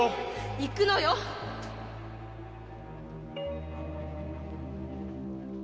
行くのよっ！